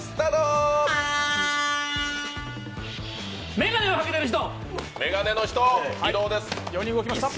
眼鏡をかけてる人。